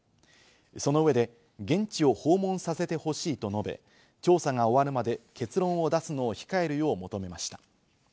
その上で、現地を訪問させてほしいと述べ、調査が終わるまで結論を出すの控えるよう求めました。